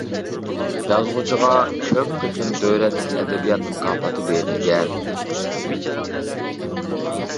يازغۇچىغا كۆپ قېتىم دۆلەتلىك ئەدەبىيات مۇكاپاتى بېرىلگەن.